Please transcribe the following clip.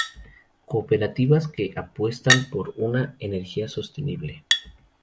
cooperativas que apuestan por una energía sostenible